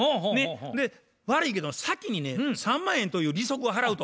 で悪いけど先にね３万円という利息を払うと。